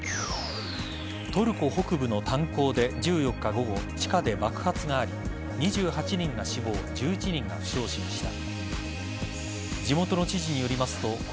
トルコ北部の炭鉱で１４日午後地下で爆発があり２８人が死亡１１人が負傷しました。